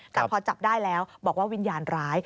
แต่พอจับได้แล้วบอกว่าวิญญาณร้าย